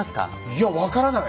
いや分からない。